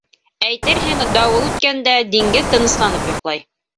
Әйтерһең, дауыл үткән дә, диңгеҙ тынысланып йоҡлай.